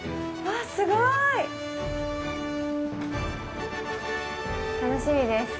わあ、すごい。楽しみです。